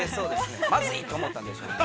◆まずいと思ったんでしょうね。